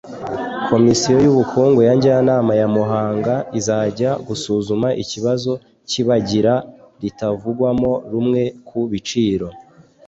Komisiyo y’ubukungu ya Njyanama ya Muhanga izajya gusuzuma ikibazo cy’ibagira ritavugwamo rumwe ku biciro